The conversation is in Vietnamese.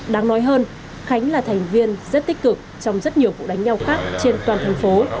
đáng nói hơn khánh là thành viên rất tích cực trong rất nhiều vụ đánh nhau khác trên toàn thành phố